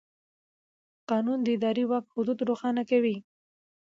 قانون د اداري واک حدود روښانه کوي.